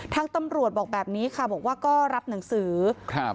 ทางตำรวจบอกแบบนี้ค่ะบอกว่าก็รับหนังสือครับ